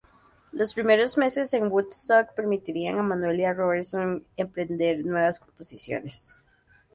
Los primeros meses en Woodstock permitirían a Manuel y a Robertson emprender nuevas composiciones.